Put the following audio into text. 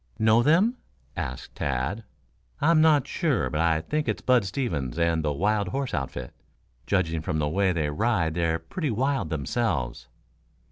"Know them?" asked Tad. "I'm not sure, but I think it's Bud Stevens and the wild horse outfit. Judging from the way they ride they're pretty wild themselves."